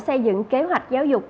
xây dựng kế hoạch giáo dục